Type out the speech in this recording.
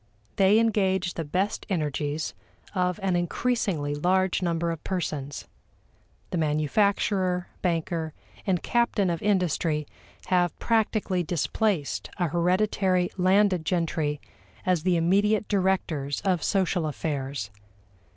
They engage the best energies of an increasingly large number of persons. The manufacturer, banker, and captain of industry have practically displaced a hereditary landed gentry as the immediate directors of social affairs.